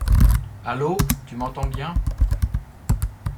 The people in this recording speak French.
Allo ? Tu m'entends bien ?